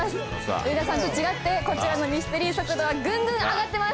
上田さんと違ってこちらのミステリー速度はぐんぐん上がってます！